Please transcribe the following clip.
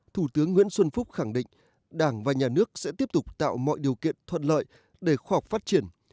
thủ tướng nguyễn xuân phúc khẳng định đảng và nhà nước sẽ tiếp tục tạo mọi điều kiện thuận lợi để khoa học phát triển